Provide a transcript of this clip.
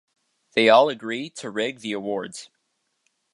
They all agree to rig the awards.